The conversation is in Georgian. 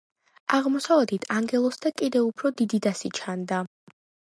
აღმოსავლეთით ანგელოზთა კიდევ უფრო დიდი დასი ჩანდა.